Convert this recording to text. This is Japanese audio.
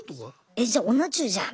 「えっじゃあおな中じゃん！」